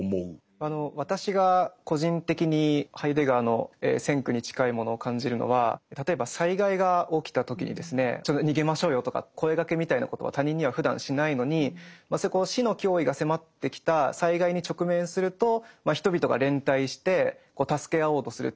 私が個人的にハイデガーの「先駆」に近いものを感じるのは例えば災害が起きた時にですねちょっと逃げましょうよとか声がけみたいなことは他人にはふだんしないのに死の脅威が迫ってきた災害に直面すると人々が連帯して助け合おうとする。